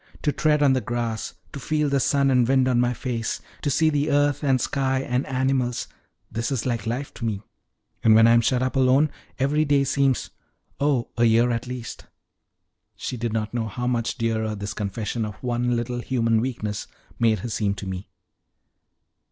To tread on the grass, to feel the sun and wind on my face, to see the earth and sky and animals this is like life to me; and when I am shut up alone, every day seems oh, a year at least!" She did not know how much dearer this confession of one little human weakness made her seem to me.